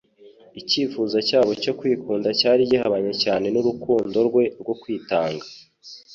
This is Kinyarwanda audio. icyifuzo cyabo cyo kwikunda cyari gihabanye cyane n'urukundo rwe rwo kwitanga.